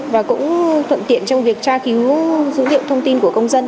và cũng thuận tiện trong việc tra cứu dữ liệu thông tin của công dân